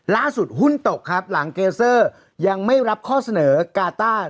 ล่าสุดหุ้นตกครับหลังเกลเซอร์ยังไม่รับข้อเสนอกาต้า